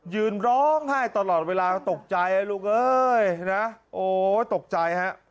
ยืนร้องไห้ตลอดเวลาตกใจลูกเอ้ยนะโอ้ยตกใจฮะ